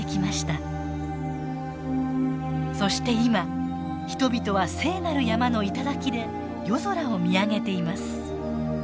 そして今人々は聖なる山の頂で夜空を見上げています。